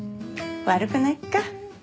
悪くないか。